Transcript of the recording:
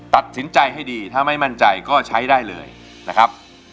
ตัดสินใจให้ดีถ้าไม่มั่นใจก็ใช้ได้เลยนะครับ